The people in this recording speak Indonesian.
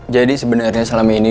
jadi sebenernya selama ini